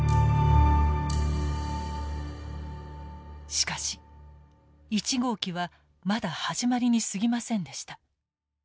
しかし１号機はまだ始まりにすぎませんでした。